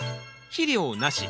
肥料なし。